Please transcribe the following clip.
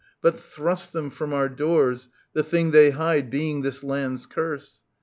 But thrust them from our doors, the thing they hide Being this land's curse.